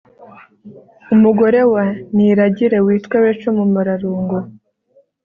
umugore wa niragire witwa rachel mumararungu